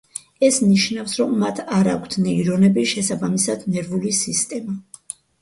ეს ნიშნავს, რომ მათ არ აქვთ ნეირონები, შესაბამისად, ნერვული სისტემა.